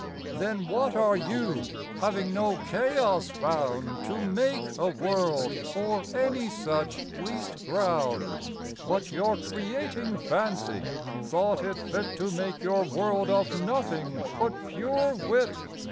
Then what are You, having no Chaos found To make a World, or any such least ground? But your Creating Fancy, thought it fit To make your World of Nothing, but pure Wit.